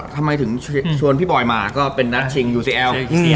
ทำไมถึงชวนพี่ปอยค์มาเป็นนักศึงยูซีเอล